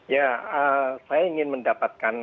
ya saya ingin mendapatkan